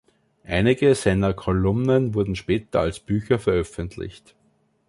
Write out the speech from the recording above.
Einige seiner Kolumnen wurden später als Bücher veröffentlicht.